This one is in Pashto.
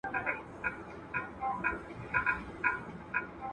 که چا پر ناروغ باندي سورة يس يا نور اياتونه لوستل،